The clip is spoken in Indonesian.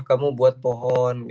kamu buat pohon